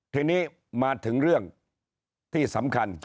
ทีนี้มาถึงเรื่องที่สำคัญ